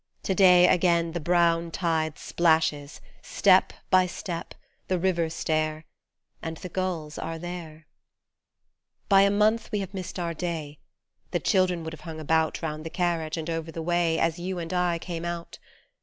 To day again the brown tide splashes, step by step, the river stair, And the gulls are there ! By a month we have missed our Day : The children would have hung about Round the carriage and over the way As you and I came out.